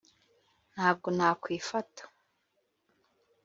ntabwo nakwifata